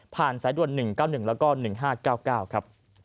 ผ่านสายดวน๑๙๑และ๑๕๙๙